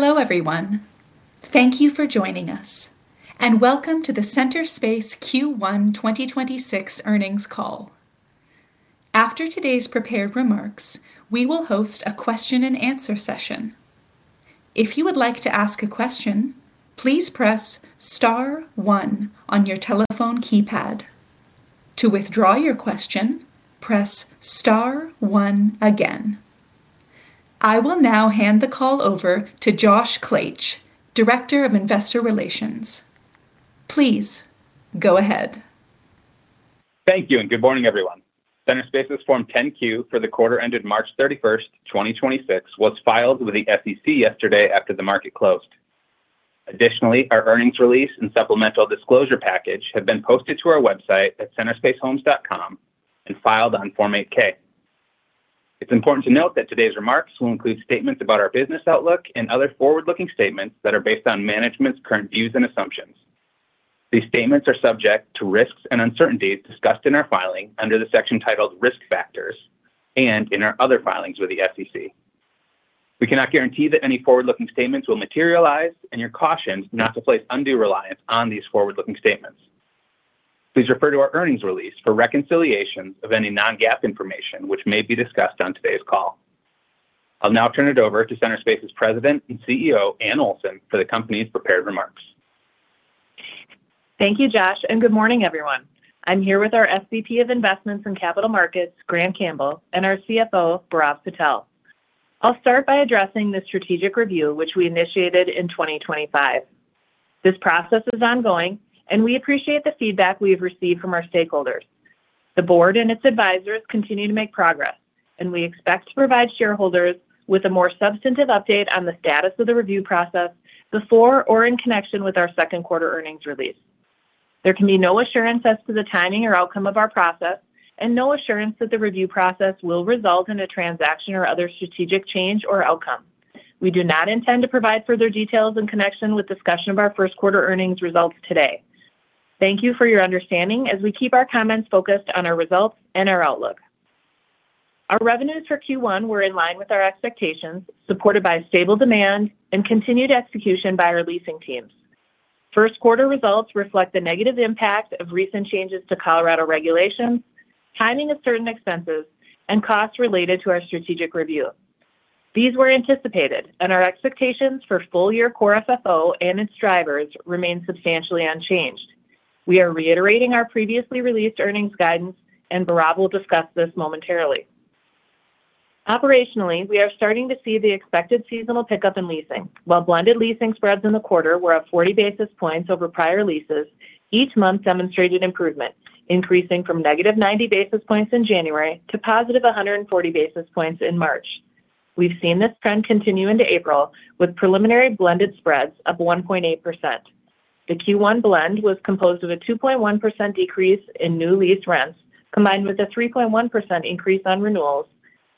Hello, everyone. Thank you for joining us, and welcome to the Centerspace's Q1 2026 earnings call. After today's prepared remarks, we will host a question and answer session. If you would like to ask a question, please press star one on your telephone keypad. To withdraw your question, press star one again. I will now hand the call over to Josh Klaetsch, Director of Investor Relations. Please go ahead. Thank you, good morning, everyone. Centerspace's Form 10-Q for the quarter ended March 31, 2026 was filed with the SEC yesterday after the market closed. Additionally, our earnings release and supplemental disclosure package have been posted to our website at centerspacehomes.com and filed on Form 8-K. It's important to note that today's remarks will include statements about our business outlook and other forward-looking statements that are based on management's current views and assumptions. These statements are subject to risks and uncertainties discussed in our filing under the section titled Risk Factors and in our other filings with the SEC. We cannot guarantee that any forward-looking statements will materialize and you're cautioned not to place undue reliance on these forward-looking statements. Please refer to our earnings release for reconciliation of any non-GAAP information which may be discussed on today's call. I'll now turn it over to Centerspace's President and CEO, Anne Olson, for the company's prepared remarks. Thank you, Josh, and good morning, everyone. I'm here with our SVP of Investments and Capital Markets, Grant Campbell, and our CFO, Bhairav Patel. I'll start by addressing the strategic review which we initiated in 2025. This process is ongoing, we appreciate the feedback we have received from our stakeholders. The board and its advisors continue to make progress, we expect to provide shareholders with a more substantive update on the status of the review process before or in connection with our second quarter earnings release. There can be no assurance as to the timing or outcome of our process, no assurance that the review process will result in a transaction or other strategic change or outcome. We do not intend to provide further details in connection with discussion of our first quarter earnings results today. Thank you for your understanding as we keep our comments focused on our results and our outlook. Our revenues for Q1 were in line with our expectations, supported by stable demand and continued execution by our leasing teams. First quarter results reflect the negative impact of recent changes to Colorado Regulations, timing of certain expenses, and costs related to our strategic review. These were anticipated, our expectations for full-year core FFO and its drivers remain substantially unchanged. We are reiterating our previously released earnings guidance, Bhairav Patel will discuss this momentarily. Operationally, we are starting to see the expected seasonal pickup in leasing. While blended leasing spreads in the quarter were up 40 basis points over prior leases, each month demonstrated improvement, increasing from negative 90 basis points in January to positive 140 basis points in March. We've seen this trend continue into April with preliminary blended spreads of 1.8%. The Q1 blend was composed of a 2.1% decrease in new lease rents combined with a 3.1% increase on renewals,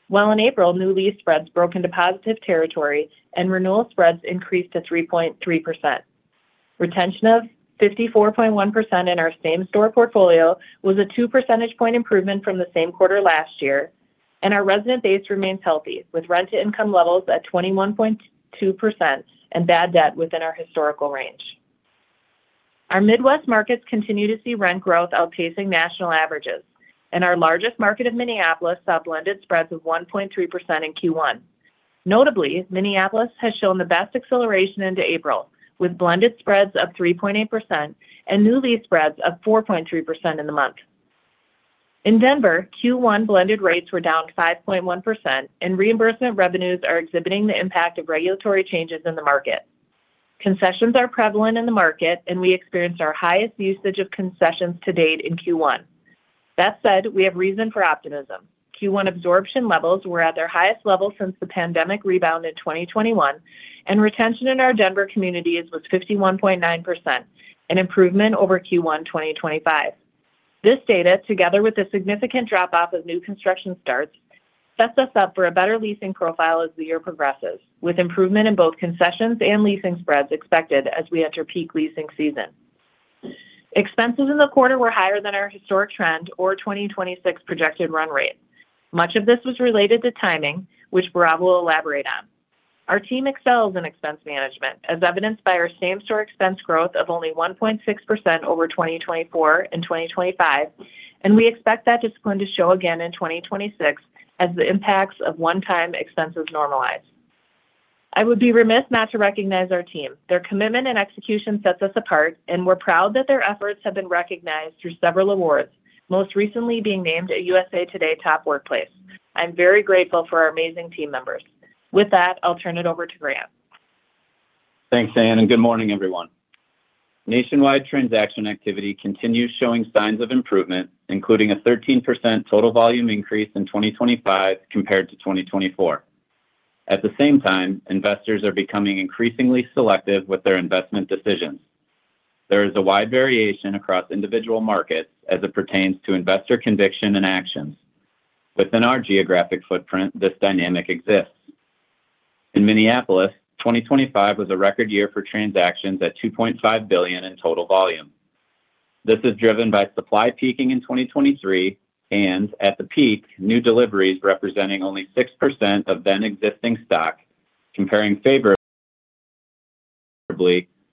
while in April, new lease spreads broke into positive territory and renewal spreads increased to 3.3%. Retention of 54.1% in our same-store portfolio was a two percentage point improvement from the same quarter last year, and our resident base remains healthy, with rent-to-income levels at 21.2% and bad debt within our historical range. Our Midwest markets continue to see rent growth outpacing national averages, and our largest market of Minneapolis saw blended spreads of 1.3% in Q1. Notably, Minneapolis has shown the best acceleration into April, with blended spreads of 3.8% and new lease spreads of 4.3% in the month. In Denver, Q1 blended rates were down 5.1%, and reimbursement revenues are exhibiting the impact of regulatory changes in the market. Concessions are prevalent in the market, and we experienced our highest usage of concessions to date in Q1. That said, we have reason for optimism. Q1 absorption levels were at their highest level since the pandemic rebound in 2021, and retention in our Denver communities was 51.9%, an improvement over Q1 2025. This data, together with the significant drop-off of new construction starts, sets us up for a better leasing profile as the year progresses, with improvement in both concessions and leasing spreads expected as we enter peak leasing season. Expenses in the quarter were higher than our historic trend or 2026 projected run rate. Much of this was related to timing, which Bhairav Patel will elaborate on. Our team excels in expense management, as evidenced by our same-store expense growth of only 1.6% over 2024 and 2025. We expect that discipline to show again in 2026 as the impacts of one-time expenses normalize. I would be remiss not to recognize our team. Their commitment and execution sets us apart, and we're proud that their efforts have been recognized through several awards, most recently being named a USA TODAY Top Workplaces. I'm very grateful for our amazing team members. With that, I'll turn it over to Grant. Thanks, Anne. Good morning, everyone. Nationwide transaction activity continues showing signs of improvement, including a 13% total volume increase in 2025 compared to 2024. At the same time, investors are becoming increasingly selective with their investment decisions. There is a wide variation across individual markets as it pertains to investor conviction and actions. Within our geographic footprint, this dynamic exists. In Minneapolis, 2025 was a record year for transactions at $2.5 billion in total volume. This is driven by supply peaking in 2023 and at the peak, new deliveries representing only 6% of then existing stock, comparing favorably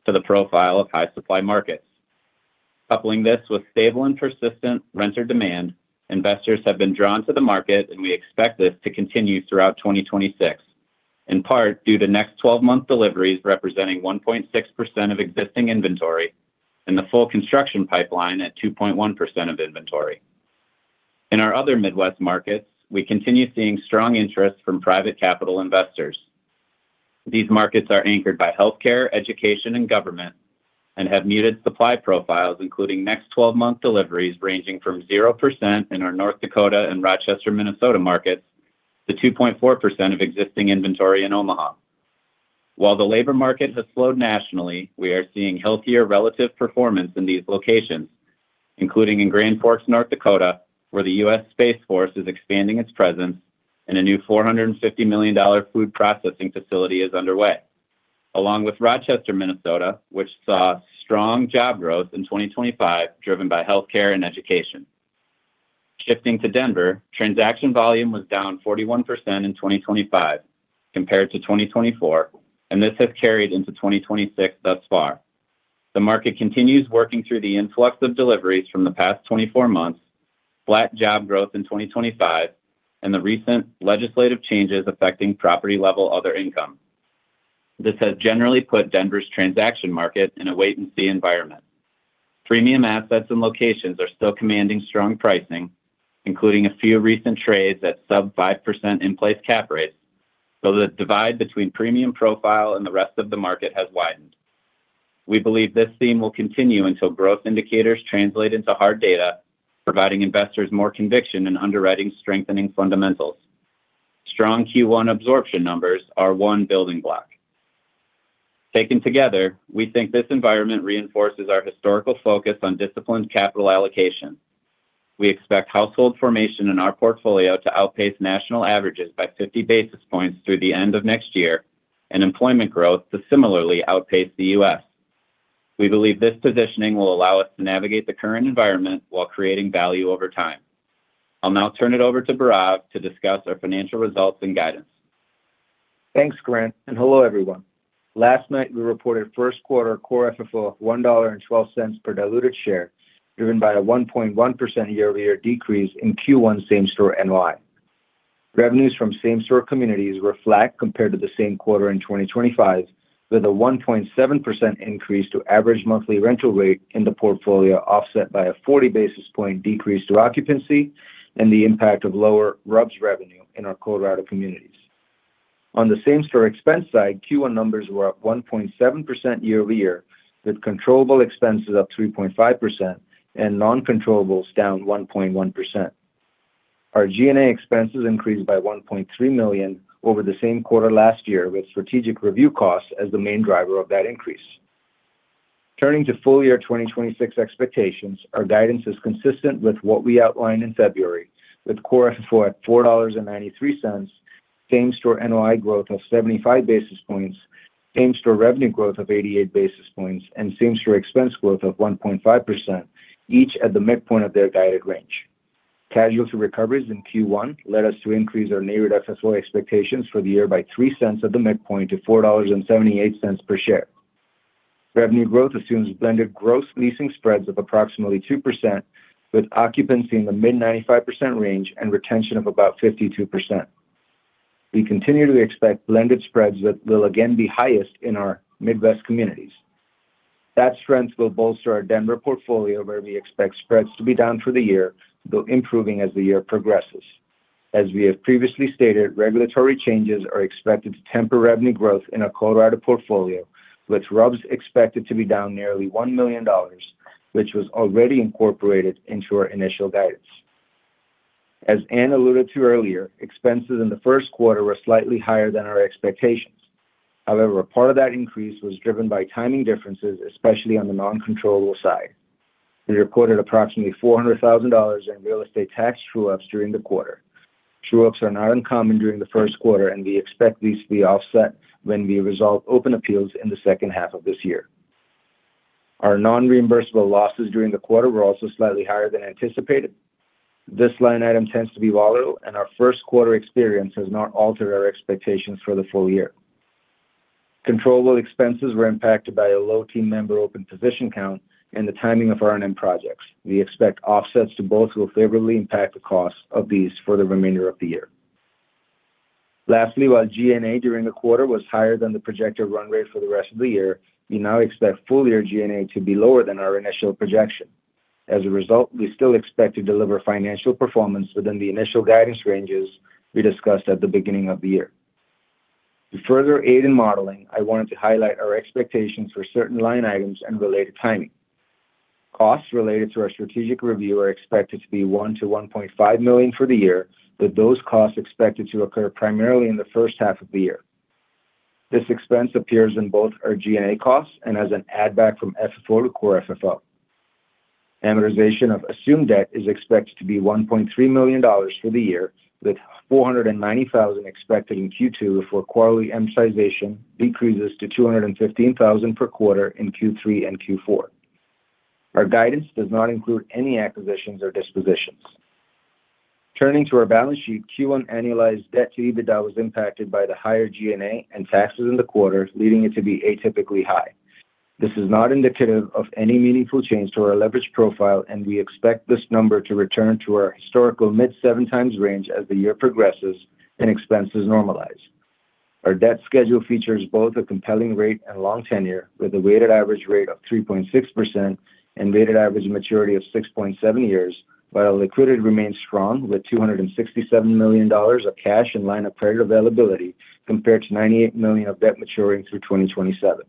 to the profile of high supply markets. Coupling this with stable and persistent renter demand, investors have been drawn to the market, and we expect this to continue throughout 2026, in part due to next 12 month deliveries representing 1.6% of existing inventory and the full construction pipeline at 2.1% of inventory. In our other Midwest markets, we continue seeing strong interest from Private Capital Investors. These markets are anchored by healthcare, education, and government and have muted supply profiles, including next 12 month deliveries ranging from 0% in our North Dakota and Rochester, Minnesota markets to 2.4% of existing inventory in Omaha. While the labor market has slowed nationally, we are seeing healthier relative performance in these locations, including in Grand Forks, North Dakota, where the US Space Force is expanding its presence and a new $450 million food processing facility is underway. Along with Rochester, Minnesota, which saw strong job growth in 2025, driven by healthcare and education. Shifting to Denver, transaction volume was down 41% in 2025 compared to 2024, and this has carried into 2026 thus far. The market continues working through the influx of deliveries from the past 24 months, flat job growth in 2025, and the recent legislative changes affecting property level other income. This has generally put Denver's transaction market in a wait and see environment. Premium assets and locations are still commanding strong pricing, including a few recent trades at sub 5% in place cap rates. The divide between premium profile and the rest of the market has widened. We believe this theme will continue until growth indicators translate into hard data, providing investors more conviction in underwriting strengthening fundamentals. Strong Q1 absorption numbers are one building block. Taken together, we think this environment reinforces our historical focus on disciplined capital allocation. We expect household formation in our portfolio to outpace national averages by 50 basis points through the end of next year and employment growth to similarly outpace the U.S. We believe this positioning will allow us to navigate the current environment while creating value over time. I'll now turn it over to Bhairav Patel to discuss our financial results and guidance. Thanks, Grant, and hello, everyone. Last night we reported first quarter core FFO of $1.12 per diluted share, driven by a 1.1% year-over-year decrease in Q1 same-store NOI. Revenues from same-store communities were flat compared to the same quarter in 2025, with a 1.7% increase to average monthly rental rate in the portfolio offset by a 40 basis point decrease to occupancy and the impact of lower RUBS revenue in our Colorado communities. On the same-store expense side, Q1 numbers were up 1.7% year-over-year, with controllable expenses up 3.5% and non-controllables down 1.1%. Our G&A expenses increased by $1.3 million over the same quarter last year, with strategic review costs as the main driver of that increase. Turning to full year 2026 expectations, our guidance is consistent with what we outlined in February, with core FFO at $4.93, same-store NOI growth of 75 basis points, same-store revenue growth of 88 basis points, and same-store expense growth of 1.5%, each at the midpoint of their guided range. Casualty recoveries in Q1 led us to increase our neighborhood FFO expectations for the year by $0.03 at the midpoint to $4.78 per share. Revenue growth assumes blended gross leasing spreads of approximately 2%, with occupancy in the mid 95% range and retention of about 52%. We continue to expect blended spreads that will again be highest in our Midwest communities. That strength will bolster our Denver portfolio, where we expect spreads to be down for the year, though improving as the year progresses. As we have previously stated, regulatory changes are expected to temper revenue growth in our Colorado Portfolio, with RUBS expected to be down nearly $1 million, which was already incorporated into our initial guidance. As Anne alluded to earlier, expenses in the first quarter were slightly higher than our expectations. However, a part of that increase was driven by timing differences, especially on the non-controllable side. We reported approximately $400,000 in real estate tax true-ups during the quarter. True-ups are not uncommon during the first quarter, and we expect these to be offset when we resolve open appeals in the second half of this year. Our non-reimbursable losses during the quarter were also slightly higher than anticipated. This line item tends to be volatile, and our first quarter experience has not altered our expectations for the full year. Controllable expenses were impacted by a low team member open position count and the timing of our R&M projects. We expect offsets to both will favorably impact the cost of these for the remainder of the year. Lastly, while G&A during the quarter was higher than the projected run rate for the rest of the year, we now expect full year G&A to be lower than our initial projection. As a result, we still expect to deliver financial performance within the initial guidance ranges we discussed at the beginning of the year. To further aid in modeling, I wanted to highlight our expectations for certain line items and related timing. Costs related to our strategic review are expected to be $1 million-$1.5 million for the year, with those costs expected to occur primarily in the first half of the year. This expense appears in both our G&A costs and as an add back from FFO to core FFO. Amortization of assumed debt is expected to be $1.3 million for the year, with $490,000 expected in Q2 for quarterly amortization decreases to $215,000 per quarter in Q3 and Q4. Our guidance does not include any acquisitions or dispositions. Turning to our balance sheet, Q1 annualized debt to EBITDA was impacted by the higher G&A and taxes in the quarter, leading it to be atypically high. This is not indicative of any meaningful change to our leverage profile, and we expect this number to return to our historical mid 7x range as the year progresses and expenses normalize. Our debt schedule features both a compelling rate and long tenure, with a weighted average rate of 3.6% and weighted average maturity of 6.7 years, while liquidity remains strong with $267 million of cash and line of credit availability compared to $98 million of debt maturing through 2027.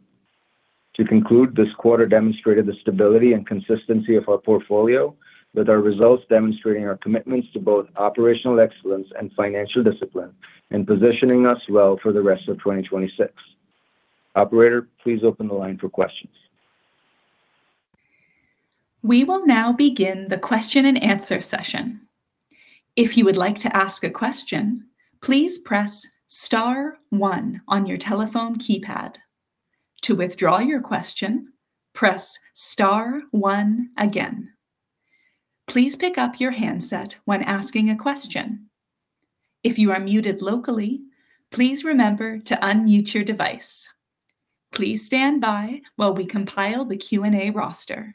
To conclude, this quarter demonstrated the stability and consistency of our portfolio, with our results demonstrating our commitments to both operational excellence and financial discipline and positioning us well for the rest of 2026. Operator, please open the line for questions. We will now begin the question and answer session. If you would like to ask a question, please press star one on your telephone keypad. To withdraw your question, press star one again. Please pick up your handset when asking a question. If you are muted locally, please remember to unmute your device. Please stand by while we compile the Q&A roster.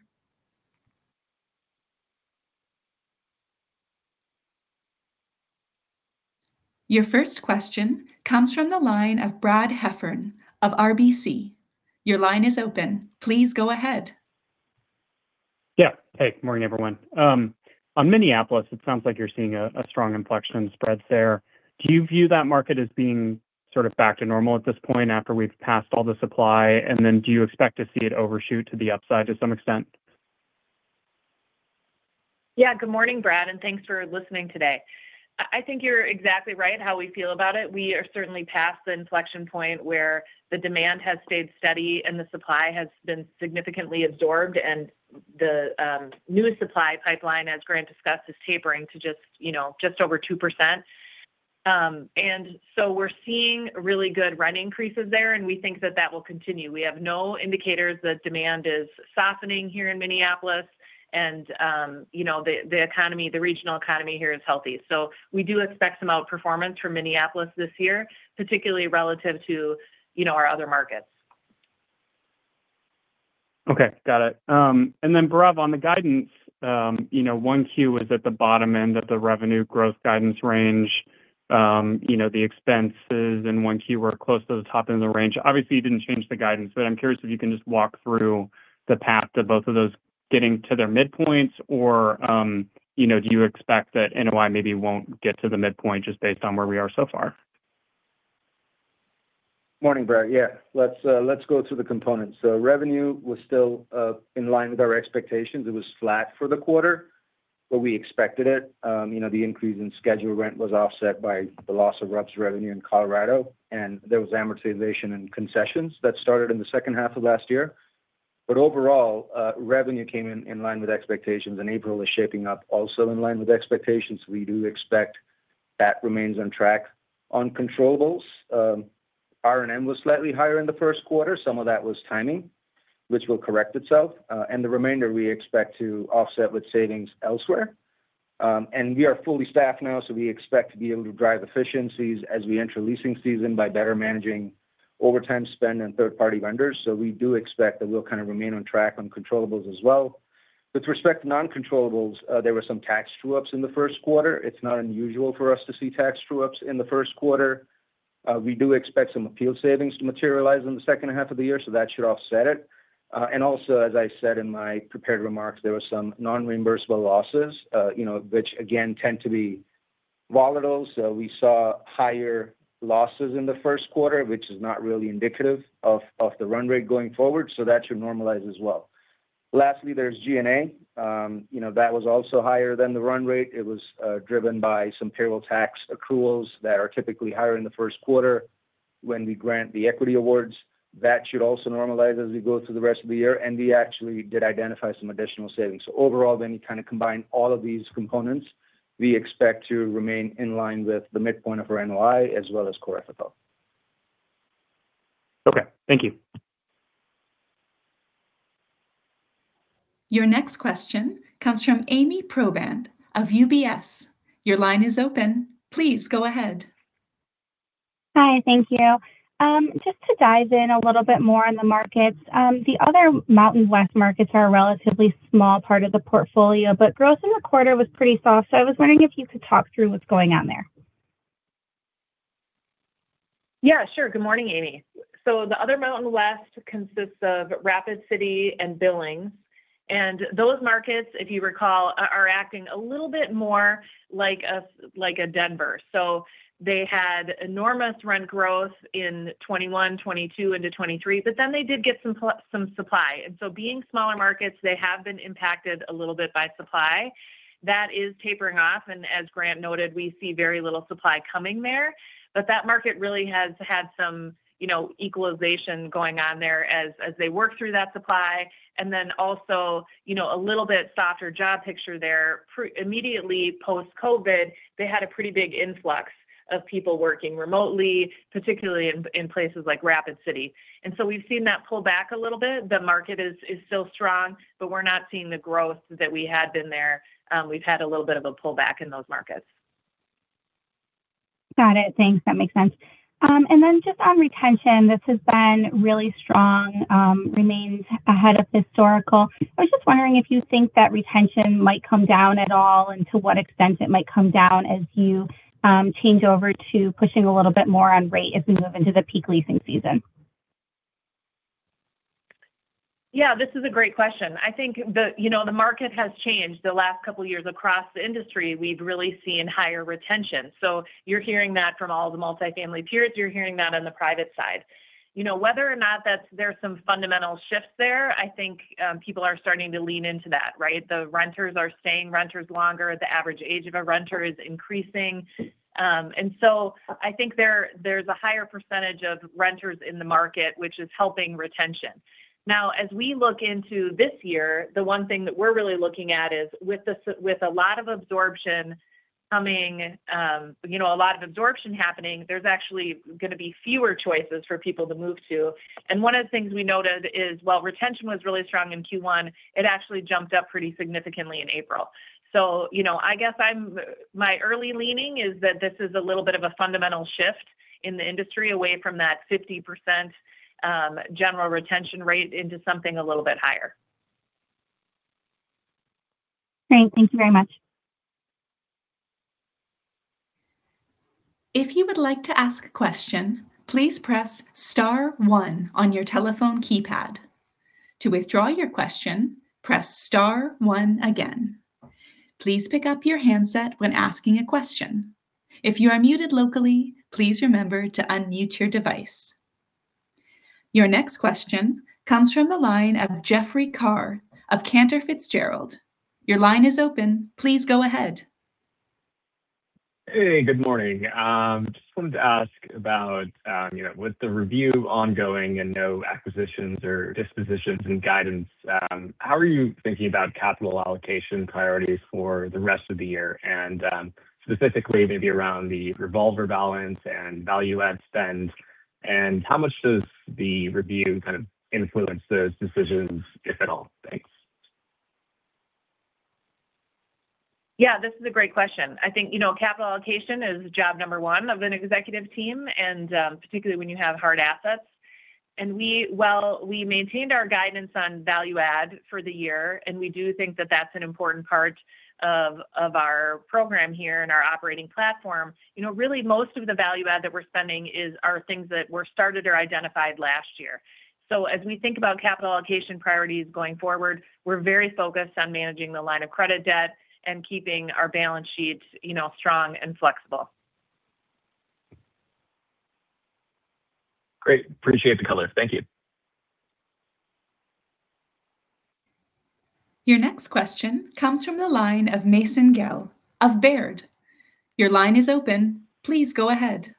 Your first question comes from the line of Brad Heffern of RBC. Your line is open. Please go ahead. Yeah. Hey, morning, everyone. On Minneapolis, it sounds like you're seeing a strong inflection in spreads there. Do you view that market as being sort of back to normal at this point after we've passed all the supply? Do you expect to see it overshoot to the upside to some extent? Yeah, good morning, Brad, thanks for listening today. I think you're exactly right how we feel about it. We are certainly past the inflection point where the demand has stayed steady and the supply has been significantly absorbed, and the new supply pipeline, as Grant discussed, is tapering to just, you know, just over 2%. We're seeing really good rent increases there, and we think that that will continue. We have no indicators that demand is softening here in Minneapolis and, you know, the economy, the regional economy here is healthy. We do expect some outperformance from Minneapolis this year, particularly relative to, you know, our other markets. Okay, got it. Bhairav, on the guidance, you know, 1Q is at the bottom end of the revenue growth guidance range. You know, the expenses in 1Q were close to the top end of the range. Obviously, you didn't change the guidance, but I'm curious if you can just walk through the path to both of those getting to their midpoints or, you know, do you expect that NOI maybe won't get to the midpoint just based on where we are so far? Morning, Brad. Yeah, let's go through the components. Revenue was still in line with our expectations. It was flat for the quarter, we expected it. You know, the increase in scheduled rent was offset by the loss of RUBS revenue in Colorado, and there was amortization and concessions that started in the second half of last year. Overall, revenue came in line with expectations, and April is shaping up also in line with expectations. We do expect that remains on track. On controllables, R&M was slightly higher in the first quarter. Some of that was timing, which will correct itself. The remainder we expect to offset with savings elsewhere. We are fully staffed now, so we expect to be able to drive efficiencies as we enter leasing season by better managing overtime spend and third-party vendors. We do expect that we'll kind of remain on track on controllables as well. With respect to non-controllables, there were some tax true-ups in the first quarter. It's not unusual for us to see tax true-ups in the first quarter. We do expect some appeal savings to materialize in the second half of the year, so that should offset it. As I said in my prepared remarks, there were some non-reimbursable losses, you know, which again tend to be volatile. We saw higher losses in the first quarter, which is not really indicative of the run rate going forward, so that should normalize as well. Lastly, there's G&A. You know, that was also higher than the run rate. It was driven by some payroll tax accruals that are typically higher in the first quarter when we grant the equity awards. That should also normalize as we go through the rest of the year. We actually did identify some additional savings. Overall, when you kind of combine all of these components, we expect to remain in line with the midpoint of our NOI as well as core FFO. Okay. Thank you. Your next question comes from Ami Probandt of UBS. Your line is open. Please go ahead. Hi. Thank you. Just to dive in a little bit more on the markets, the other Mountain West Markets are a relatively small part of the portfolio, but growth in the quarter was pretty soft. I was wondering if you could talk through what's going on there. Yeah, sure. Good morning, AmI. The other Mountain West consists of Rapid City and Billings. Those markets, if you recall, are acting a little bit more like a Denver. They had enormous rent growth in 2021, 2022 into 2023, but then they did get some supply. Being smaller markets, they have been impacted a little bit by supply. That is tapering off, and as Grant noted, we see very little supply coming there. That market really has had some, you know, equalization going on there as they work through that supply and then also, you know, a little bit softer job picture there. Immediately post-COVID, they had a pretty big influx of people working remotely, particularly in places like Rapid City. We've seen that pull back a little bit. The market is still strong, but we're not seeing the growth that we had been there. We've had a little bit of a pullback in those markets. Got it. Thanks. That makes sense. Then just on retention, this has been really strong, remains ahead of historical. I was just wondering if you think that retention might come down at all and to what extent it might come down as you change over to pushing a little bit more on rate as we move into the peak leasing season. Yeah, this is a great question. I think the, you know, the market has changed. The last couple of years across the industry, we've really seen higher retention. You're hearing that from all the multifamily peers. You're hearing that on the private side. You know, whether or not there are some fundamental shifts there, I think, people are starting to lean into that, right? The renters are staying renters longer. The average age of a renter is increasing. I think there's a higher percentage of renters in the market, which is helping retention. Now, as we look into this year, the one thing that we're really looking at is with a lot of absorption coming, you know, a lot of absorption happening, there's actually gonna be fewer choices for people to move to. One of the things we noted is while retention was really strong in Q1, it actually jumped up pretty significantly in April. You know, I guess my early leaning is that this is a little bit of a fundamental shift in the industry away from that 50% general retention rate into something a little bit higher. Great. Thank you very much. If you would like to ask a question, please press star one on your telephone keypad. To withdraw your question, press star one again. Please pick up your handset when asking a question. If you are muted locally, please remember to unmute your device. Your next question comes from the line of Jeffrey Carr of Cantor Fitzgerald. Your line is open. Please go ahead. Hey, good morning. Just wanted to ask about, you know, with the review ongoing and no acquisitions or dispositions and guidance, how are you thinking about capital allocation priorities for the rest of the year, and specifically maybe around the revolver balance and value add spend? How much does the review kind of influence those decisions, if at all? Thanks. Yeah, this is a great question. I think, you know, capital allocation is job number 1 of an executive team, particularly when you have hard assets. We, while we maintained our guidance on value add for the year, and we do think that that's an important part of our program here and our operating platform. You know, really most of the value add that we're spending are things that were started or identified last year. As we think about capital allocation priorities going forward, we're very focused on managing the line of credit debt and keeping our balance sheets, you know, strong and flexible. Great. Appreciate the color. Thank you. Your next question comes from the line of Mason Guell of Baird. Your line is open. Please go ahead.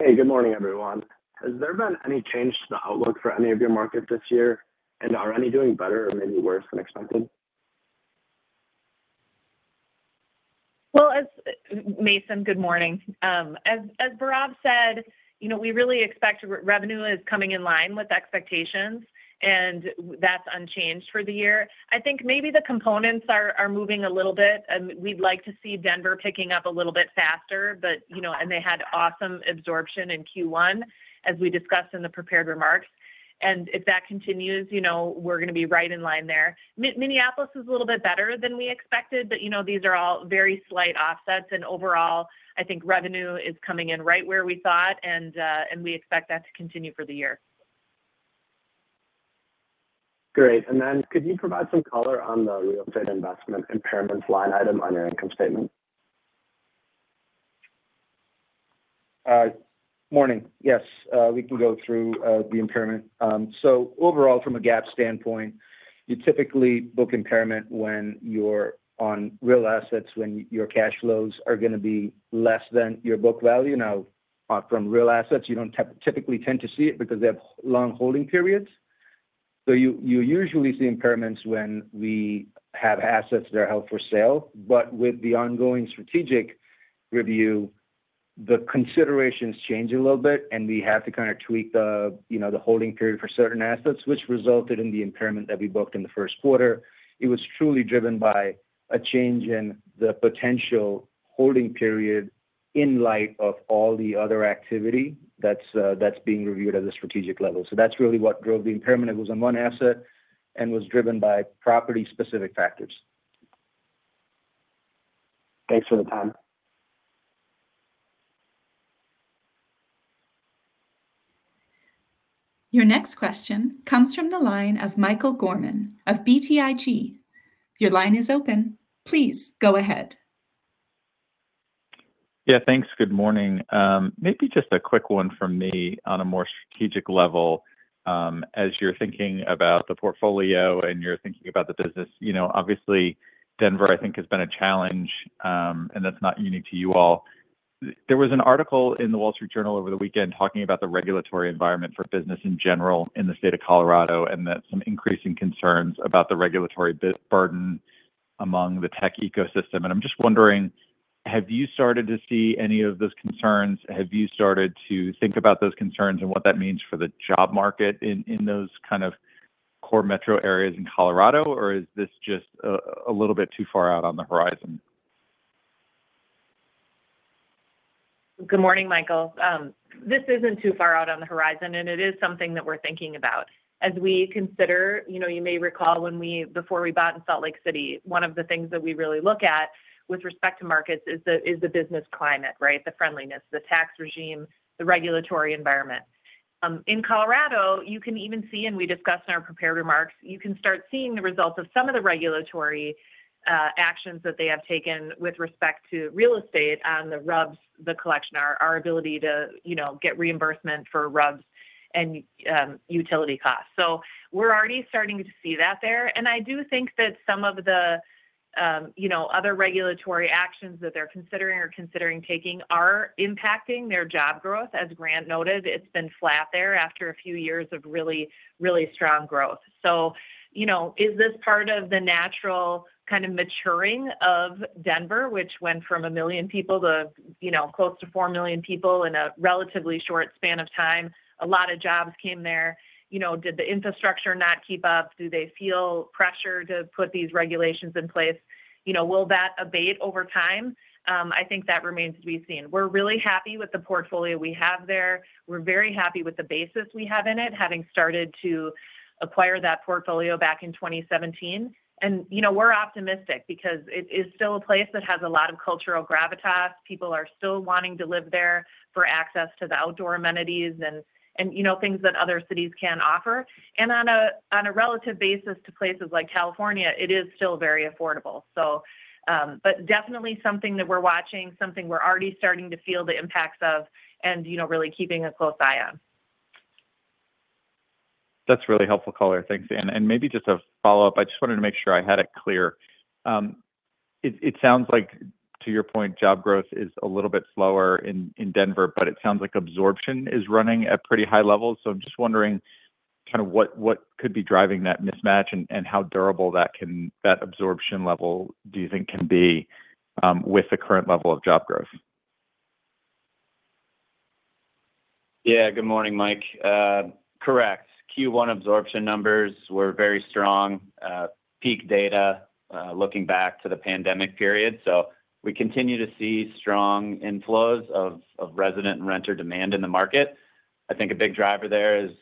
Hey, good morning, everyone. Has there been any change to the outlook for any of your markets this year? Are any doing better or maybe worse than expected? Well, as Mason, good morning. As Bhairav said, you know, we really expect revenue is coming in line with expectations, that's unchanged for the year. I think maybe the components are moving a little bit, we'd like to see Denver picking up a little bit faster. You know, they had awesome absorption in Q1, as we discussed in the prepared remarks. If that continues, you know, we're gonna be right in line there. Minneapolis is a little bit better than we expected, you know, these are all very slight offsets. Overall, I think revenue is coming in right where we thought, we expect that to continue for the year. Great, could you provide some color on the real estate investment impairments line item on your income statement? Morning. Yes, we can go through the impairment. Overall, from a GAAP standpoint, you typically book impairment when you're on real assets, when your cash flows are gonna be less than your book value. From real assets, you don't typically tend to see it because they have long holding periods. You usually see impairments when we have assets that are held for sale. With the ongoing strategic review, the considerations change a little bit, and we have to kind of tweak the, you know, the holding period for certain assets, which resulted in the impairment that we booked in the first quarter. It was truly driven by a change in the potential holding period in light of all the other activity that's being reviewed at the strategic level. That's really what drove the impairment. It was on one asset and was driven by property specific factors. Thanks for the time. Your next question comes from the line of Michael Gorman of BTIG. Your line is open. Please go ahead. Yeah, thanks. Good morning. Maybe just a quick one from me on a more strategic level. As you're thinking about the portfolio and you're thinking about the business. You know, obviously, Denver, I think, has been a challenge, and that's not unique to you all. There was an article in The Wall Street Journal over the weekend talking about the regulatory environment for business in general in the State of Colorado, and that some increasing concerns about the regulatory burden among the tech ecosystem. I'm just wondering, have you started to see any of those concerns? Have you started to think about those concerns and what that means for the job market in those kind of core metro areas in Colorado, or is this just a little bit too far out on the horizon? Good morning, Michael. This isn't too far out on the horizon, and it is something that we're thinking about. As we consider, you know, you may recall when we before we bought in Salt Lake City, one of the things that we really look at with respect to markets is the business climate, right? The friendliness, the tax regime, the regulatory environment. In Colorado, you can even see, and we discussed in our prepared remarks, you can start seeing the results of some of the regulatory actions that they have taken with respect to real estate on the RUBS, the collection, our ability to, you know, get reimbursement for RUBS and utility costs. We're already starting to see that there. I do think that some of the, you know, other regulatory actions that they're considering or considering taking are impacting their job growth. As Grant noted, it's been flat there after a few years of really, really strong growth. You know, is this part of the natural kind of maturing of Denver, which went from a million people to, you know, close to 4 million people in a relatively short span of time? A lot of jobs came there. You know, did the infrastructure not keep up? Do they feel pressure to put these regulations in place? You know, will that abate over time? I think that remains to be seen. We're really happy with the portfolio we have there. We're very happy with the basis we have in it, having started to acquire that portfolio back in 2017. You know, we're optimistic because it is still a place that has a lot of cultural gravitas. People are still wanting to live there for access to the outdoor amenities and, you know, things that other cities can't offer. On a relative basis to places like California, it is still very affordable. Definitely something that we're watching, something we're already starting to feel the impacts of and, you know, really keeping a close eye on. That's really helpful, caller. Thanks. Maybe just a follow-up. I just wanted to make sure I had it clear. It sounds like, to your point, job growth is a little bit slower in Denver, but it sounds like absorption is running at pretty high levels. I'm just wondering kind of what could be driving that mismatch and how durable that absorption level do you think can be, with the current level of job growth? Yeah. Good morning, Michael Gorman. Correct. Q1 absorption numbers were very strong, peak data, looking back to the pandemic period. We continue to see strong inflows of resident and renter demand in the market. I think a big driver there is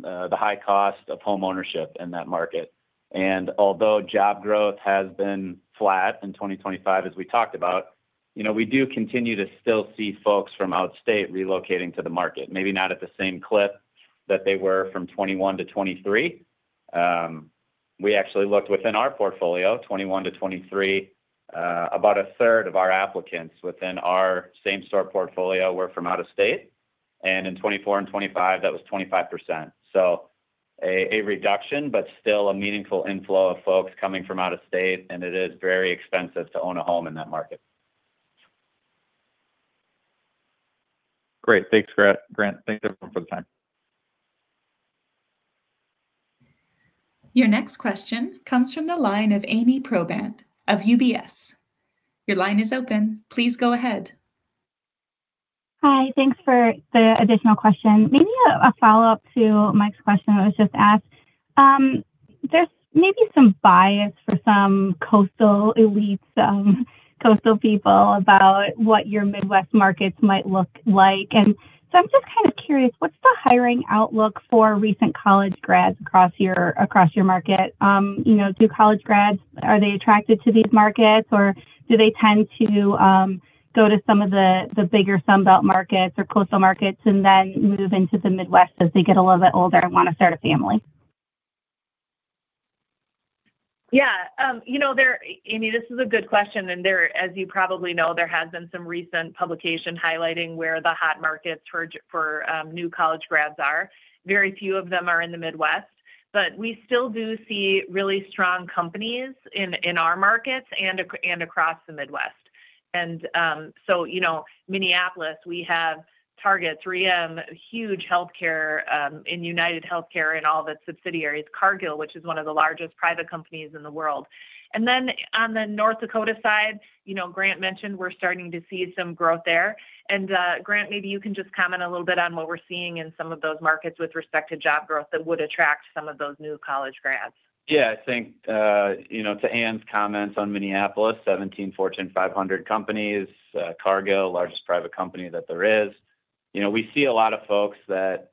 the high cost of homeownership in that market. Although job growth has been flat in 2025, as we talked about, you know, we do continue to still see folks from outstate relocating to the market, maybe not at the same clip that they were from 2021 to 2023. We actually looked within our portfolio, 2021 to 2023. About a third of our applicants within our same-store portfolio were from out of state. In 2024 and 2025, that was 25%. A reduction but still a meaningful inflow of folks coming from out of state, and it is very expensive to own a home in that market. Great. Thanks, Grant. Thanks, everyone, for the time. Your next question comes from the line of Ami Probandt of UBS. Your line is open. Please go ahead. Hi. Thanks for the additional question. Maybe a follow-up to Michael's question that was just asked. There's maybe some bias for some coastal elites, coastal people about what your Midwest markets might look like. I'm just kind of curious, what's the hiring outlook for recent college grads across your, across your market? You know, do college grads, are they attracted to these markets, or do they tend to go to some of the bigger Sunbelt markets or coastal markets and then move into the Midwest as they get a little bit older and wanna start a family? Yeah. You know, Ami Probandt, this is a good question. There, as you probably know, there has been some recent publication highlighting where the hot markets for new college grads are. Very few of them are in the Midwest. We still do see really strong companies in our markets and across the Midwest. You know, Minneapolis, we have Target, 3 huge healthcare in UnitedHealthcare and all of its subsidiaries. Cargill, which is one of the largest private companies in the world. Then on the North Dakota side, you know, Grant mentioned we're starting to see some growth there. Grant, maybe you can just comment a little bit on what we're seeing in some of those markets with respect to job growth that would attract some of those new college grads. I think, you know, to Anne's comments on Minneapolis, 17 Fortune 500 companies, Cargill, largest private company that there is. You know, we see a lot of folks that,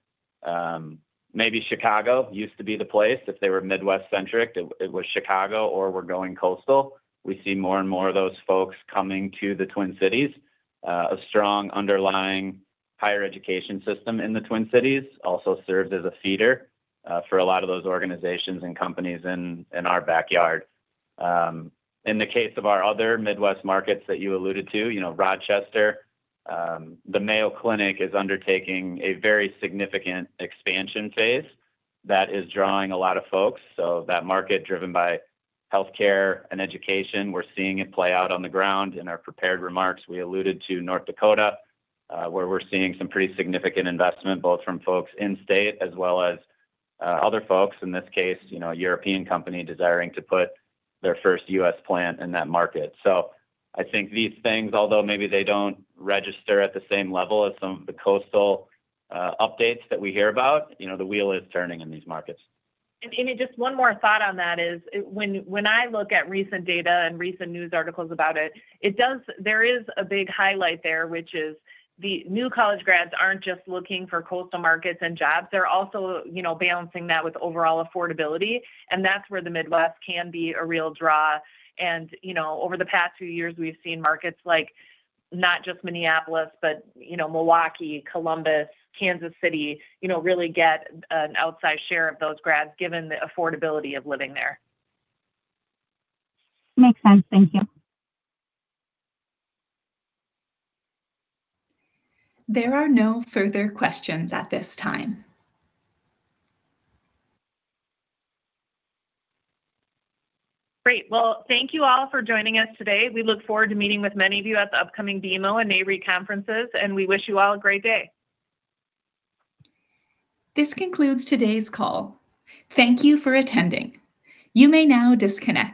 maybe Chicago used to be the place if they were Midwest-centric. It was Chicago or were going coastal. We see more and more of those folks coming to the Twin Cities. A strong underlying higher education system in the Twin Cities also serves as a feeder for a lot of those organizations and companies in our backyard. In the case of our other Midwest markets that you alluded to, you know, Rochester, the Mayo Clinic is undertaking a very significant expansion phase that is drawing a lot of folks. That market driven by healthcare and education, we're seeing it play out on the ground. In our prepared remarks, we alluded to North Dakota, where we're seeing some pretty significant investment, both from folks in state as well as, other folks, in this case, you know, a European company desiring to put their first U.S. plant in that market. I think these things, although maybe they don't register at the same level as some of the coastal, updates that we hear about, you know, the wheel is turning in these markets. Ami, just one more thought on that is when I look at recent data and recent news articles about it, There is a big highlight there, which is the new college grads aren't just looking for coastal markets and jobs. They're also, you know, balancing that with overall affordability, and that's where the Midwest can be a real draw. You know, over the past few years, we've seen markets like not just Minneapolis, but, you know, Milwaukee, Columbus, Kansas City, you know, really get an outside share of those grads given the affordability of living there. Makes sense. Thank you. There are no further questions at this time. Great. Thank you all for joining us today. We look forward to meeting with many of you at the upcoming BMO and Nareit conferences, and we wish you all a great day. This concludes today's call. Thank you for attending. You may now disconnect.